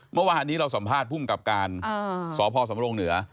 เมื่อวานนี้เราสัมภาษณ์พุ่มกับการสศสมรงค์เนื้อ